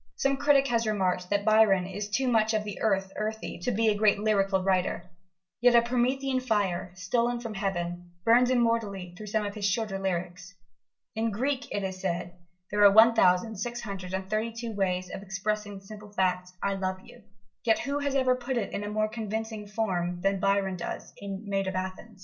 Some critic has remarked that Byron is too much of the earth earthy to be a great lyrical writer: yet a Promethean fire, stolen from heaven, burns immortally through some of his shorter lyrics. In Greek, it is said, there are 1632 ways of expressing the simple fact I love you: yet who has ever put it in a more convincing form than Byron does in Maid of Athens?